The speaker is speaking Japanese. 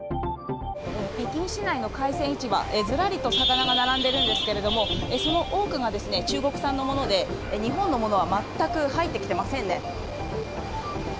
北京市内の海鮮市場、ずらりと魚が並んでるんですけれども、その多くが中国産のもので、日本のものは全く入ってきてませんね。